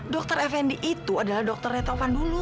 dokter effendi itu adalah dokternya taufan dulu